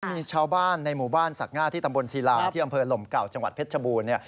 มีชาวบ้านในหมู่บ้านสักง่าที่ตำบลศิลาที่อำเภอหลมเก่าจังหวัดเพชรชบูรณ์